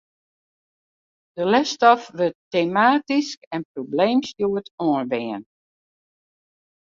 De lesstof wurdt tematysk en probleemstjoerd oanbean.